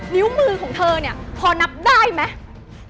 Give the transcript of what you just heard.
นิ้วมือของเธอพอนับได้ไหม